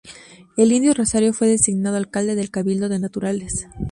El indio Rosario fue designado alcalde del Cabildo de Naturales.